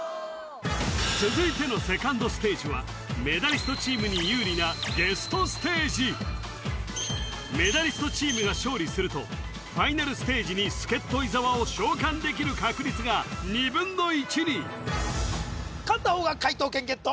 続いてのセカンドステージはメダリストチームに有利なゲストステージメダリストチームが勝利するとファイナルステージに助っ人伊沢を召喚できる確率が２分の１に勝った方が解答権ゲット！